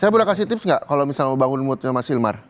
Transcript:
saya boleh kasih tips gak kalau mau bangun mood sama silmar